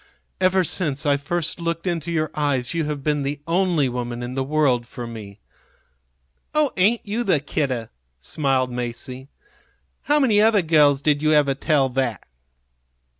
Ever since I first looked into your eyes you have been the only woman in the world for me." "Oh, ain't you the kidder!" smiled Masie. "How many other girls did you ever tell that?"